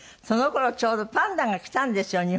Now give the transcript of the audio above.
その頃ちょうどパンダが来たんですよ